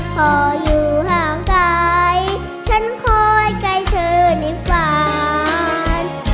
พออยู่ห่างไกลฉันคอยใจเธอในฝัน